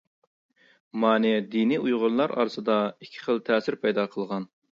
مانى دىنى ئۇيغۇرلار ئارىسىدا ئىككى خىل تەسىر پەيدا قىلغان.